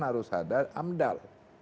harus ada amdal